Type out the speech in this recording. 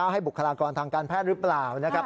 บุคลากรทางการแพทย์หรือเปล่านะครับ